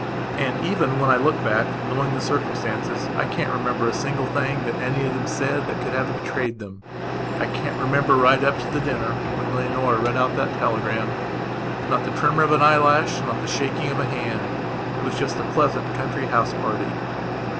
And even when I look back, knowing the circumstances, I can't remember a single thing any of them said that could have betrayed them. I can't remember, right up to the dinner, when Leonora read out that telegramnot the tremor of an eyelash, not the shaking of a hand. It was just a pleasant country house party.